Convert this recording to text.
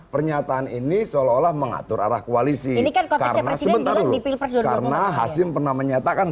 pernyataan ini seolah olah mengatur arah koalisi karena sebentar dulu karena hasim pernah menyatakan